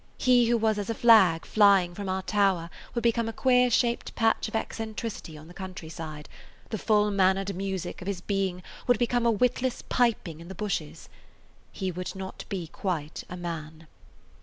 He who was as a flag flying from our tower would become a queer shaped patch of eccentricity on the country side, the full mannered music of his being would become a witless piping in the bushes. He would not be quite a man.